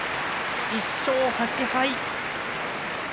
１勝８敗。